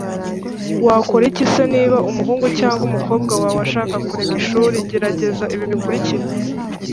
wakora iki se niba umuhungu cyangwa umukobwa wawe ashaka kureka ishuri gerageza ibi bikurikira